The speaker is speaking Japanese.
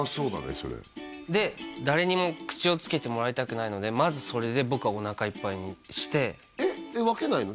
それで誰にも口を付けてもらいたくないのでまずそれで僕はおなかいっぱいにしてえっ分けないの？